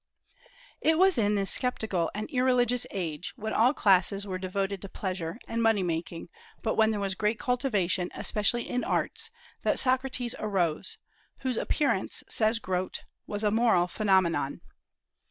It was in this sceptical and irreligious age, when all classes were devoted to pleasure and money making, but when there was great cultivation, especially in arts, that Socrates arose, whose "appearance," says Grote, "was a moral phenomenon."